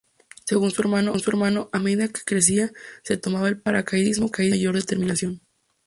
Según su hermano, a medida que crecía, se tomaba el paracaidismo con "mayor determinación".